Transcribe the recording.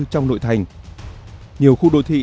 trong nội thành nhiều khu đô thị